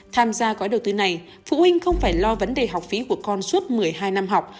tham gia gói đầu tư này phụ huynh không phải lo vấn đề học phí của con suốt một mươi hai năm học